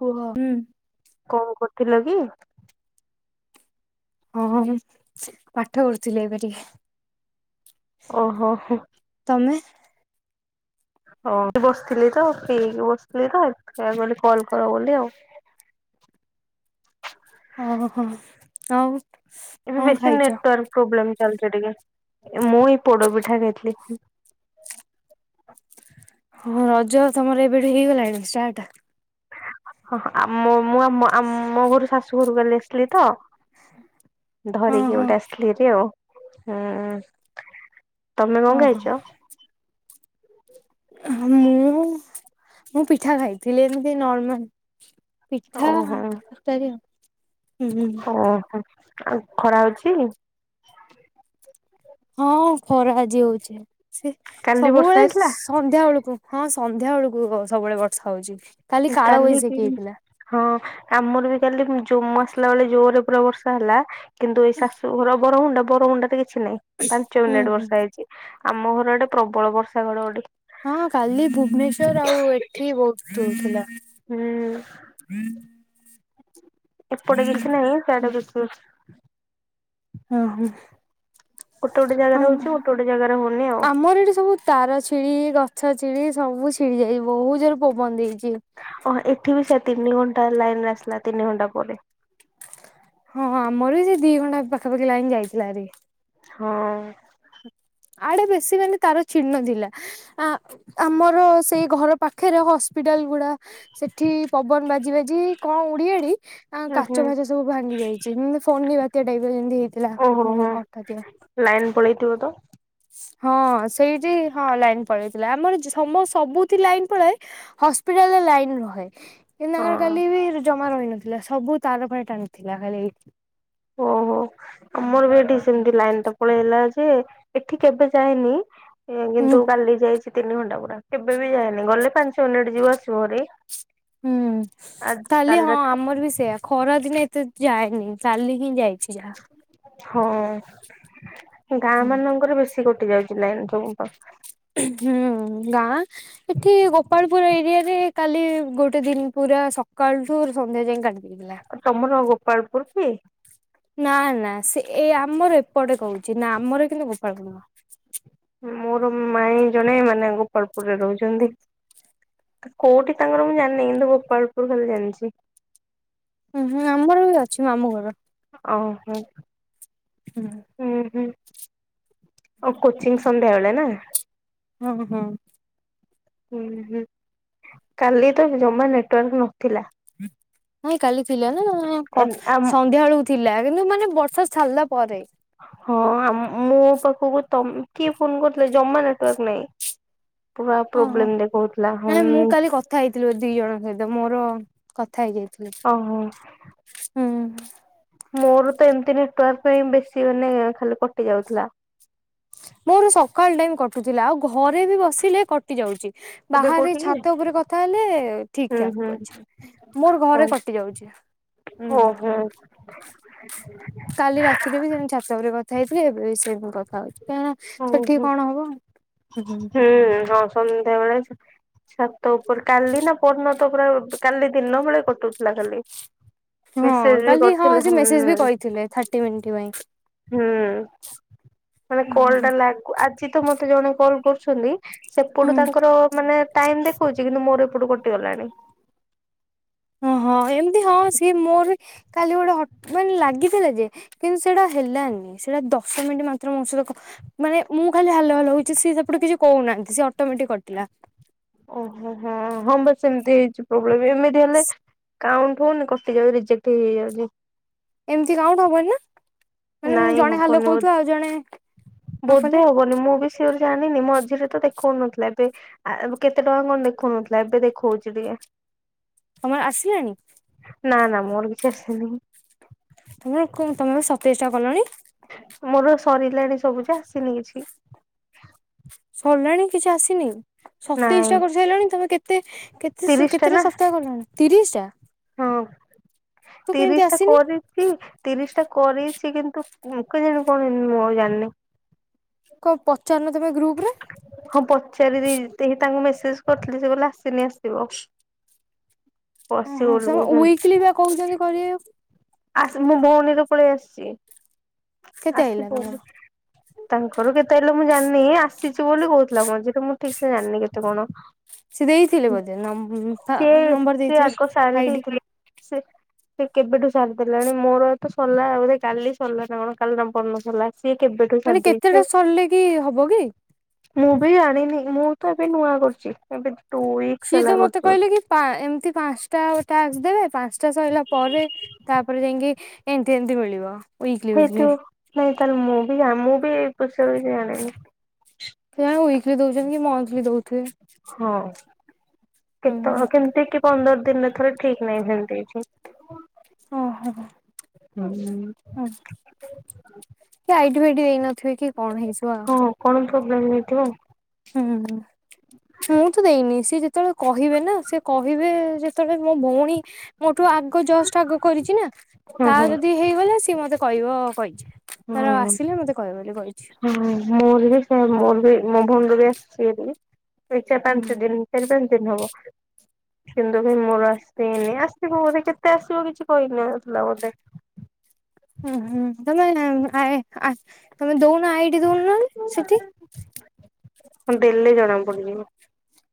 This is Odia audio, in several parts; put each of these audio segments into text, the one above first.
କୁହ। କଣ କରୁଥିଲ କି? ହଁ-ହଁ ହୁଁ ପାଠ ପଢୁଥିଲି ଏବେ ଟିକେ। ଓହୋଃ ହୋ। ତମେ? ହଁ ବସିଥିଲି ତ ଫ୍ରି ହେଇକି ବସିଥିଲି ତ, ସେଇଆ କହିଲି କଲ କର ବୋଲି ଆଉ। ହଁ-ହଁ ଆଉ? ଏବେ କଣ ବେଶୀ ଖାଇଛ? ନେଟୱାର୍କ ପ୍ରୋବ୍ଲେମ ଚାଲିଚି ଟିକେ, ମୁଁ ଏ ପୋଡପିଠା ଖାଉଥିଲି। ହଁ ରଜ ତମର ଏବେଠୁ ହେଇଗଲାଣି ଷ୍ଟାର୍ଟ? ହଁ ଆମ ମୋ ମୋ ମୁଁ ଆମ ଘରୁ ଶାଶୁ ଘରୁ କାଲି ଆସିଲି ତ। ହଁ ଧରିକି ହଁ ଗୋଟେ ଆସିଥିଲିହେରି ଆଉ ହୁଁ ତମେ କଣ ହଁ ଖାଇଚ? ମୁଁ ମୁଁ ପିଠା ଖାଇଥିଲି ଏମିତି ନର୍ମାଲ। ପିଠା ଓହୋ ତରକାରୀ ଆଉ। ଓହୋଃ ଆଉ ଖରା ହଉଛି? ହଁ ଖରା ଆଜି ହଉଛି, ସେ କାଲି ବର୍ଷା ସବୁବେଳେ ସ୍ ହେଇଥିଲା? ସନ୍ଧ୍ୟା ବେଳକୁ, ହଁ ସନ୍ଧ୍ୟା ବେଳକୁ ସବୁବେଳେ ବର୍ଷା ହଉଛି, କାଲି କାଳ ବୈଶାଖୀ ହେଇଥିଲା। ହଁ ଆମର ବି କାଲି ଯୋଉ ମୁଁ ଆସିଲା ବେଳେ ଜୋରରେ ପୁରା ବର୍ଷା ହେଲା। କିନ୍ତୁ ଏଇ ଶାଶୁଘର ବରମୁଣ୍ଡା, ବରମୁଣ୍ଡାଠି କିଛି ନାଇଁ ପାଞ୍ଚ ହୁଁ ମିନିଟ୍ ହୁଁ ବର୍ଷା ହେଇଛି। ଆମ ଘରଆଡେ ପ୍ରବଳ ବର୍ଷା ଘଡ଼ଘଡ଼ି। ହଁ କାଲି ଭୁବନେଶ୍ୱର ଆଉ ଏଠି ବହୁତ ଦୋଉଥିଲା। ହୁଁ। ଏପଟେ କିଛି ନାହିଁ ସେଆଡେ ବେଶୀ। ହୁଁ-ହୁଁ ଗୋଟେ ଗୋଟେ ଜାଗାରେ ଆମ୍ ହଉଛି ଗୋଟେ ଗୋଟେ ଜାଗାରେ ହଉନି ଆଉ। ଆମର ଏଠି ସବୁ ତାର ଛିଡି ଗଛ ଛିଡି ସବୁ ଛିଡି ଯାଇ, ବହୁତ ଜୋରରେ ପବନ ଦେଇଛି। ଓହୋଃ ଏଠି ବି ସେଇଆ ତିନି ଘଣ୍ଟା ଲାଇନରେ ଆସିଲା ତିନି ଘଣ୍ଟା ପରେ। ହଁ ଆମର ବି ସେ ଦି ଘଣ୍ଟା ପାଖାପାଖି ଲାଇନ ଯାଇଥିଲା ହେରି। ହଁ। ଆଡେ ବେଶୀ ମାନେ ତାର ଛିଡି ନଥିଲା। ଆ ଆମର ସେଇ ଘର ପାଖରେ ହସ୍ପିଟାଲ ଗୁଡା। ସେଠି ପବନ ବାଜି ବାଜି କଣ ଉଡିଆଡି ଆ ହୁଁ ହୁଁ କାଚ ଫାଚ ସବୁ ଭାଙ୍ଗି ଯାଇଛି, ଯେମିତି ଫୋନି ବାତ୍ୟା ଟାଇମରେ ଯେମିତି ହେଇଥିଲା। [unintelligible] ଲାଇନ୍ ପଳେଇଥିବ ତ। ହଁ ସେଇଠି ହଁ ଲାଇନ ପଳେଇଥିଲା ଆମର ସମ ସବୁଥି ଲାଇନ ପଳାଏ ହସ୍ପିଟାଲରେ ଲାଇନ ରହେ। ଏର ହଁ। କାଲି ବି ଜମା ରହିନଥିଲା ସବୁ ତାର ପା ଟାଣିଥିଲା ଖାଲି ଓହୋ ଆମର ବି ଏଠି ସେମତି ଲାଇନ ତ ପଳେଇଲା ଯେ ଏଠି କେବେ ଯାଏନି। ହୁଁ କିନ୍ତୁ କାଲି ଯାଇଛି ତିନି ଘଣ୍ଟା ପୁରା କେବେ ବି ଯାଏନି ଗଲେ ପାଞ୍ଚ ମିନିଟ ଯିବ ଆସିବ ହେରି। ହୁଁ କାଲି ହଁ ଆମର ବି ସେୟା। ଖରା ଦିନେ ଏତେ ଯାଏନି କଲି ହିଁ ଯାଇଛି ଯାହା। ହଁ ଗାଁ ମାନଙ୍କରେ ବେଶୀ କଟି ଯାଉଛି ଲାଇନ ସବୁ। ହୁଁ ଗାଁ। ଏଠି ଗୋପାଳପୁର ଏରିଆରେ କାଲି ଗୋଟେ ଦିନ ପୁରା ସକାଳଠୁ ସନ୍ଧ୍ୟା ଯାଏଁ କା [unintelligible] ତମର ଗୋପାଳପୁର କି? ନା ନା ସେ ଏଇ ଆମର ଏପଟେ କହୁଛି ନା ଆମର କିନ୍ତୁ ଗୋପାଳପୁର ନୁହଁ। ମୋର ମାଇଁ ଜଣେ ମାନେ ଗୋପାଳପୁରରେ ରହୁଛନ୍ତି। କୋଉଠି ତାଙ୍କର ମୁଁ ଜାଣିନି କିନ୍ତୁ ଗୋପାଳପୁର ଖାଲି ଜାଣିଛି। ହୁଁ ହୁଁ ଆମର ବି ଅଛି ମାମୁ ଘର। ଓହୋ ହୁଁ ହୁଁ ହୁଁ ଆଉ କୋଚିଂ ସନ୍ଧ୍ୟାବେଳେ ନା। ହଁ ହଁ ଉଁ ହୁଁ କାଲି ତ ଜମା ନେଟୱାର୍କ ନଥିଲା। ନାଇଁ କାଲି ଥିଲା ନା ଆମ ସନ୍ଧ୍ୟାବେଳୁ ଥିଲା କିନ୍ତୁ ମାନେ ବର୍ଷା ଛାରିଲା ପରେ। ହଁ ମୋ ପାଖକୁ ତ କିଏ ଫୋନ କରୁଥିଲେ ଜମା ନେଟୱାର୍କ ନାଇଁ। ପୁରା ପ୍ରୋବ୍ଲେମ ଦେଖଉଥିଲା। ହଁ ନାଇଁ ମୁଁ କାଲି କଥା ହେଇଥିଲ ଦି ଜଣଙ୍କ ସହିତ ମୋର କଥା ହେଇଯାଇଥିଲ। ଓହୋ। ହୁଁ ମୋର ତ ଏମିତି ନେଟୱାର୍କ ପାଇଁ ବେଶୀ ମାନେ ଖାଲି କଟି ଯାଉଥିଲା। ମୋର ସକାଳ ଟାଇମ କଟୁଥିଲା ଆଉ ଘରେ ବି ବସିଲେ କଟି ଯାଉଛି। ଏବେ ବାହାରେ କୋଉଠି କି ଛାତ ଉପରେ କଥା ହେଲେ ଠିକ ହୁଁ ଠାକ୍ ହୁଁ କରିଛ। ମୋର ହଁ ଘରେ କଟି ଯାଉଛି। ହୁଁ ଓହୋ କାଲି ରାତିରେ ବି ସେମିତି ଛାତ ଉପରେ କଥା ହେଇଥିଲି। ଏବେ ସେମିତି କଥା ହଉଛି। କାଁ ସେଠିକି ଓହୋ। କଣ ହବ। ସନ୍ଧ୍ୟାବେଳେ ଛାତ ଉପରେ କାଲି ନା ପର୍ଣତ ପୁରା କାଲି ଦିନ ବେଳେ କଟୁଥିଲା କାଲି। ହଁ କାଲି ହଁ ସେ ମେସେଜ ବି କହିଥିଲେ ଥାର୍ଟି ମିନିଟ ପାଇଁ। ହୁଁ। କଲ୍ ଟା ଲାଗୁ ଆଜି ତ ମତେ ଜଣେ କଲ୍ କରୁଛନ୍ତି ସେପଟୁ ହୁଁ ତାଙ୍କର ମାନେ ଟାଇମ୍ ଦେଖଉଛି କିନ୍ତୁ ମୋର ଏପଟୁ କଟିଗଲାଣି ହଁ ହଁ ଏମିତି ହଁ ସିଏ ମୋର କାଲି ଗୋଟେ ହଟ ମାନେ ଲାଗିଥିଲା ଯେ? କିନ୍ତୁ ସେଟା ହେଲାନି ସେଇଟା ଦଶ ମିନିଟ୍ ମାତ୍ର ମୋ ସହିତ କ ମାନେ ମୁଁ ଖାଲି ହ୍ୟାଲୋ ହ୍ଯାଲୋ ହଉଛି। ଜେ ସିଏ ସେପଟୁ କିଛି କହୁନାହାନ୍ତି ସି ଅଟୋମେଟିକ୍ କଟିଲା। ଓହୋ ହୋ ହଁ ବା ସେମିତି ହେଇଛି। [unintelligible] ଏମିତି ହେଲେ କାଉଣ୍ଟ ହଉନି କଟିଯାଉ ରିଜେକ୍ଟ ହେଇ ହେଇ ଯାଉଚି। ଏମିତି କାଉଣ୍ଟ ହବନି ନା। ମାନେ ମୁଁ ନାଇଁ ଜଣେ ହାଲୋ ହବନି କହୁଥିବ ବୋଧେ ଆଉ ଜଣେ ନ ବୋଧେ କଲେ ହବନି ମୁଁ ବି ସିଓର ଜାଣିନି ମଝିରେ ତ ଦେଖଉନଥିଲା ଏବେ ଆ କେତେ ଟଙ୍କା କଣ ଦେଖଉନଥିଲା ଏବେ ଦେଖଉଚି ଟିକେ। ତମର ଆସିଲେଣି? ନା ନା ମୋର କିଛି ଆସିନି। ତମେ କଣ ତମେ ପା ସତେଇଶି ଟା କଲଣି। ମୋର ସରିଲାଣି ସବୁଯା ଆସିନି କିଛି। ସରିଲାଣି କିଛି ଆସିନି? ସତେଇଶ ନାଇଁ ଟା କରିସାଇଲଣି ତମେ କେତେ କେତେ ତିରିଶ ଟା କେତେଟା ନା ସପ୍ତାହ କଲଣି? ତିରିଶ ଟା। ହଁ ତୁ କେମିତି ତିରିଶ ଟା ଆସିନି କରିଚି। ତିରିଶ ଟା କରିଚି କିନ୍ତୁ କେ ଜାଣି କଣ ମୁଁ ଆଉ ଜାଣିନି। କଣ ପଚାରୁନ ତମେ ଗ୍ରୁପ୍ ରେ? ହଁ ପଚାରିଦେଇ [unintelligible] ତାଙ୍କୁ ମେସେଜ୍ କରିଥିଲି ସେ କହିଲା ଆସିନି ଆସିବ। ଆସିବ ଓହୋ ବୋଲି [unintelligible] କହୁଛନ୍ତି। ୱିକ୍ଲି ପା କହୁଛନ୍ତି କରିବାକୁ। ଆ ମୋ ଭଉଣୀର ପଳେଇ ଆସିଚି କେତେ ଆଇଲା ଆସିବ ତମର ତାଙ୍କର କେତେ ହେଲେ ମୁଁ ଜାଣିନି ଆସିଚି ବୋଲି କଉଥିଲା ମଝିରେ ମୁଁ ଠିକ୍ ସେ ଜାଣିନି କେତେ କଣ? ସିଏ ଦେଇଥିଲେ ବୋଧେ ନଂ ଫା ସିଏ ନମ୍ବର ଦେଇଥିବେ ଆଇଡି। ସିଏ ସିଏ କେବେଠୁ ସାରିଦେଲାଣି ମୋର ତ ସରିଲା ବୋଧେ କାଲି ସରିଲା। [unintelligible] ସରିଲା ସିଏ କେବେଠୁ ମାନେ କେତେଟା ସାରିଦେଇଚି ଆଉ। ସରିଲେ କି ହବ କି? ମୁଁ ବି ଜାଣିନି ମୁଁ ତ ଏବେ ନୂଆ କରୁଚି। ଏବେ ଟୁ ୱି ସିଏ ତ ମତେ କଇଲେ କି ପା ଏମିତି ପାନସ୍ ଟା ଟାକ୍ସ ଦେବେ ପାନସ୍ ଟା ସରିଲା ପରେ ତାପରେ ଯାଇଁକି ଏମିତି ଏମିତି ମିଳିବ। Weekly weekly. ହେଇଥିବ ନାଇଁ ତାହେଲେ ମୁଁ ବି ଜା ମୁଁ ବି ଏ [unintelligible] ଜାଣିନି। [unintelligible] ୱିକ୍ଲି ଦଉଚନ୍ତି କି ମନ୍ଥଲି ଦଉଥୁବେ। ହଁ କେତଳ ହୁଁ କେମିତି କି ପନ୍ଦର ଦିନିରେ ଥରେ ଠିକ୍ ନାହିଁ ସେମିତି କିଛି। ଓହୋ। ହୁଁ। ହୁଁ କି ଆଇଡି ଫାଇଡି ହେଇନଥିବ କି କଣ ହେଇଥିବ ହଁ ଆଉ। କଣ ପ୍ରୋବ୍ଲେମ୍ ହେଇଥିବ। ହୁଁ। ମୁଁ ତ ଦେଇନି ସିଏ ଯେତବେଳେ କହିବେ ନା ସିଏ କହିବେ ଯେତବେଳେ ମୋ ଭଉଣୀ ମୋଠୁ ଆଗ ଜଷ୍ଟ୍ ଆଗ କରିଚି ନା ହଁ ତା ହଁ ଯଦି ହେଇଗଲା ସିଏ ମତେ କଇବ କଇଚି। ହଁ। ହୁଁ ମୋର ବି ସେଇଆ ମୋର ବି ମୋ ଭଉଣୀର ବି ଆସିଛି ଏବେ ବି ଏଇ ଚାରି ପାଞ୍ଚ ହୁଁ। ଦିନି ଚାରି ପାଞ୍ଚ ଦିନ ହବ। [unintelligible] ମୋର ଆସିନି ଆସିବ ବୋଧେ କେତେ ଆସିବ କିଛି କହିନଥିଲା ବୋଧେ। ହୁଁ ହୁଁ ତମେ ଆଏ ଆ ତମେ ଦଉନ ଆଇ ହଁ ଦେଲେ ଜଣା ପଡିଯିବ।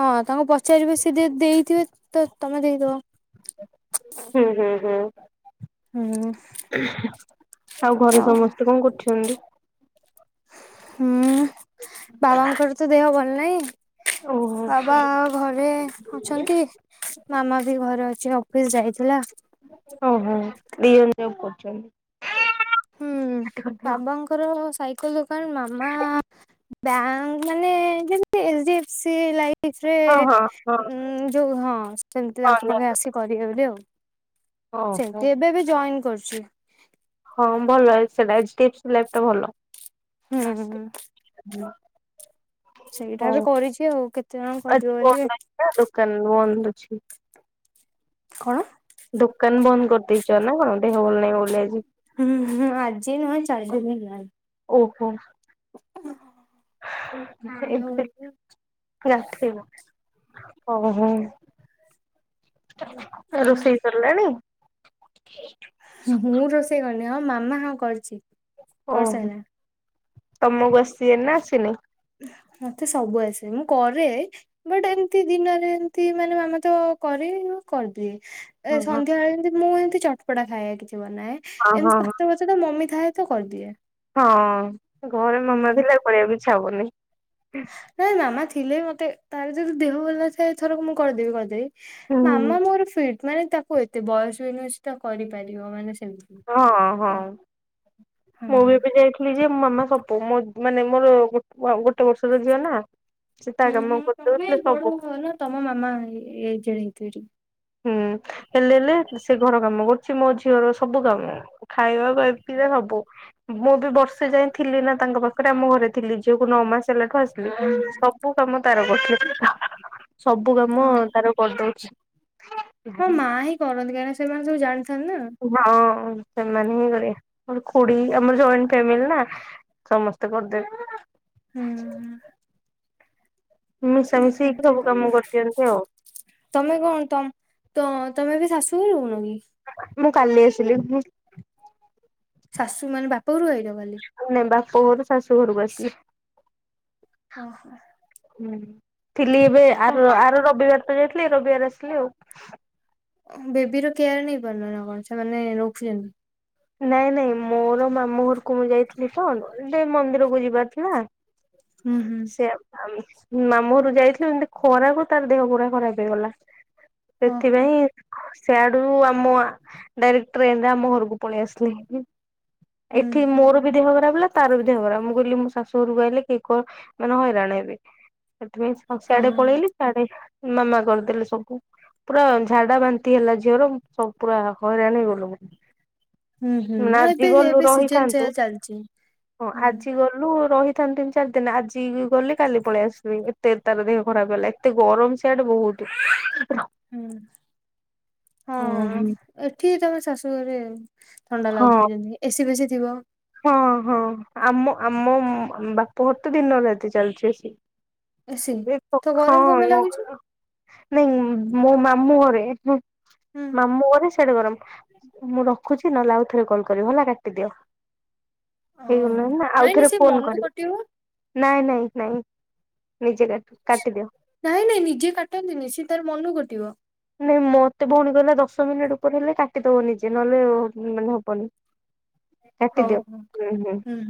ହଁ ତାଙ୍କୁ ପଚାରିବେ ସିଏ ଯଦି ଦେଇଥିବେ ତ ତମେ ଦେଇଦବ। ହୁଁ ହୁଁ ହୁଁ। ହୁଁ। ଆଉ ଘରେ ସମସ୍ତେ କଣ କରୁଛନ୍ତି? ହୁଁ ବାବାଙ୍କର ତ ଦେହ ଭଲ ନାହିଁ। ଓହୋ ବାବା ଘରେ ଅଛନ୍ତି ମାମା ବି ଘରେ ଅଛି। ଅଫିସ ଯାଇଥିଲା। ଓହୋ ବି ଦିଜଣ ଜବ କରୁଛନ୍ତି। ହୁଁ ବାବାଙ୍କର ସାଇ କଲ ଦୋକାନ ମାମା ବ୍ୟାଙ୍କ ମାନେ ଯେମତି ଏଚ ଡି ଏଫ ସି ଲାଇ ଫରେ ହଁ ହଁ ହଁ ଯୋଉ ହଁ ସେମିତି ତାଙ୍କ ହଁ ପାଖେ ଆସି କରିବେ ବୋଲି ଆଉ ଓହୋ ସେନ୍ତି ଏବେ ବି ଜଏନ୍ କରୁଛି। ହଁ ଭଲଟା ଭଲ ଏଚ ଡି ଏଫ ସି ଲାଇଫଟା ଭଲ। ହଁ ହୁଁ ହୁଁ ସେଇଟା ବି କରିଛି ଆଉ କେତେ ଜଣ ଆଜି କରିବ ବନ୍ଦ ବୋଲି? ଅଛି ନା ଦୋକାନ ବନ୍ଦ ଅଛି। କଣ? ଦୋକାନ ବନ୍ଦ କରିଦେଇଛ ନା କଣ ଦେହ ଭଲ ନାହିଁ ବୋଲି ଆଜି। ହୁଁ ହୁଁ ଆଜି ନୁହଁ ଚାରଦିନ ହେଲାଣି। ଓହୋ ଆସିବୁ ହଉ ହଉ। ରୋଷେଇ ସରିଲାଣି। ମୁଁ ରୋଷେଇ କରିନି ହଁ ମାମା ହଁ କରିଛି। ଓହୋ କରିସାରିଲାଣି। ତମକୁ ଆସିଛି ନା ଆସିନି? ମତେ ସବୁ ଆସେ ମୁଁ କରେ ବଟ ଏମତି ଦିନରେ ଏମତି ମାନେ ମାମା ତ କରେ କରିଦିଏ। ଏ ହଁ ହଁ ସନ୍ଧ୍ୟାବେଳେ ଏମତି ମୁଁ ଏମିତି ଚଟପଟା ଖାଇବା କିଛି ବନାଏ ହଁ ଏମିତି ହଁ ଭାତ ଫାତ ସେ ତ ମମି ଥାଏ ତ କରିଦିଏ। ହଁ ଘରେ ହୁଁ ମାମା ଥିଲେ କରିବାକୁ ଇଚ୍ଛା ହବନି। ନାଇଁ ମାମା ଥିଲେ ମତେ ତାର ଯଦି ଦେହ ଭଲ ଥାଏ ଥରକ ମୁଁ କରିଦେବି କରିଦେବି। ହୁଁ ମାମା ମୋର ଫିଟ ମାନେ ତାକୁ ଏତେ ବୟସ ବି ତା କରିପାରିବ ମାନେ ସେମିତି ହଁ ହଁ ତ ହଁ ମୁଁ ଏବେ ଯାଇଥିଲି। ଯେ ମୋ ମାମା ସବୁ ମୋ ମାନେ ମୋର ଗୋଟେ ବର୍ଷର ଝିଅ ନା। ସେ ତା ହୁଁ ହୁଁ କାମ ତମେ କରିଦଉଥିଲେ ବଡ ସବୁ। ନା ତମ ମାମା ଏଯେଡ ହେଇଥିବେ [inaudible] ହୁଁ ହେଲେ ହେଲେ ସେ ଘର କାମ କରୁଛି ମୋ ଝିଅର ସବୁ କାମ ଖାଇବା କରିିରେ ସବୁ ମୁଁ ବି ବର୍ଷେ ଯାଏ ଥିଲି ନା ତାଙ୍କ ପାଖରେ ଆମ ଘରେ ଥିଲି ଝିଅକୁ ନଅ ମାସ ହେଲାଠୁ ଆସିଲି। ହୁଁ। ସବୁ କାମ ତାର କର ସବୁ କାମ ଓ ତାର କରିଦଉଛି। ହଁ ମା ହିଁ କରନ୍ତି କାହିଁକିନା ସେମାନେ ସବୁ ଜାଣିଥାନ୍ତି ନା? ହଁ ସେମାନେ ହଁ କରିବେ ଖୁଡି ଆମର ଜଏଣ୍ଟ ଫାମିଲି ନା? ସମସ୍ତେ କରିଦେବେ। ହୁଁ ହୁଁ। ମିଶା ମିଶି ହେଇକି ଏମିତି ସବୁ ଆଉ କାମ କରିଦିଅନ୍ତି ଆଉ ତମେ କଣ ତମ ତ ତମେ ବି ଶାଶୁ ରହୁନ କି? ମୁଁ କାଲି ଆସିଲି। ଶାଶୁ ମାନେ ବାପ ଘରକୁ ଆଇଲ କାଲି। ନାଇଁ ବାପ ଘରୁ ଶାଶୁ ଘରକୁ ଆସିବି। ଓ ହୋ। ହୁଁ ଥିଲି ଏବେ ଆ ଆର ରବିବାର ତ ଯାଇଥିଲି ରବିବାର ଆସିଲି ଆଉ। ବେବି ର କେୟାର ନେଇ ପାରୁନ ନା କଣ ସେମାନେ ରଖୁଚନ୍ତି? ନାଇଁ ନାଇଁ ମୋର ମାମୁଁ ଘରକୁ ମୁଁ ଯାଇଥିଲି ତଣ ଟେ ମନ୍ଦିରକୁ ଯିବାର ଥିଲା। ହୁଁ ହୁଁ। ସେ ଆମ ମାମଁ ଘରୁକୁ ଯାଇଥିଲୁ ଏମିତି ଖରାକୁ ତାର ଦେହ ପୁରା ଖରାପ ହେଇଗଲା। ଓହୋ ସେଥିପାଇଁ ସେଆଡୁ ଆମ ଆ ଡାଇରେକ୍ଟ ଟ୍ରେନ ରେ ଆମ ଘରକୁ ପଳେଇ ଆସିଲି। ହୁଁ ଏଠି ହୁଁ ମୋର ବି ଦେହ ଖରାପ ହେଲା ତାର ବି ଦେହ ଖରାପ ମୁଁ କହିଲି ମୁ ଶାଶୁ ଘରୁକୁ ଆାଇଲେ କେହି କଣ ମାନେ ହଇରାଣ ହେବେ। ସେଥିପାଇଁ ହ ହଁ ସିଆଡେ ପଳେଇଲି ସିଆଡେ ମାମା କରିଦେଲେ ସବୁ। ପୁରା ଝାଡା ବାନ୍ତି ହେଲା ଝିଅର ସବୁ ପୁରା ହଇରାଣ ହେଇଗଲୁ। ହୁଁ ହୁଁ ଆଜି ଏବେ ଗଲୁ ଏବେ ସିଜନ ରହିଥାନ୍ତୁ ସେୟା ଚାଲିଛି। ହଁ ହୁଁ ଆଜି ଗଲ ଉ ରହିଥାନ୍ତି ତିନି ଚାରି ଦିନ ଆଜି ଗଲେ କାଲି ପଳେଇ ଆସିବି ଏତେ ତାର ଦେହ ଖରାପ ହେଲା ଏତେ ଗରମ ସିଆଡେ ବହୁତ। ହୁଁ ହଁ ଓହୋ। ଏଠି ତମେ ଶାଶୁଘରେ ଥଣ୍ଡା ହଁ ଲାଗୁଥିବ ଯେମିତି ଏସିି ବେସିି ଥିବ। ହଁ ହଁ ଆମ ଆମୋ ବାପ ଘର ତେ ଦିନରାତି ଚାଲିଚି ଏ ସି। ଏସି ତ ଗରମ କଣ ପାଇଁ ଲାଗୁଛି [unintelligible] ନାଇଁ ମୋ ମାମୁଁ ଘରେ। ହୁଁ ମାମୁଁ ଘରେ ସିଆଡେ ଗରମ। ମୁଁ ରଖୁଚି ନହେଲେ ଆଉଥରେ କଲ କରିବି ହେଲା କାଟିଦିଅ। ଓହୋ ହେଇଗଲାଣି ନା ନାଇଁ ନାଇଁ ଆଉଥରେ ସେ ଫୋନ ମନକୁ କରିବ। କଟିବ ନାଇଁ ନାଇଁ ନାଇଁ ନିଜେ କାଟ କାଟିଦିଅ। ନାଇଁ ନାଇଁ ନିଜେ କାଟନ୍ତିନି ସେ ତାର ମନକୁ କଟିବ। ନାଇଁ ମତେ ଭଉଣୀ କଲା ଦଶ ମିନିଟ ଉପରେ ହେଲେ କାଟିଦବ ନିଜେ ନହେଲେ ମାନେ ହବନି। ହଉ ହଉ ହୁଁ।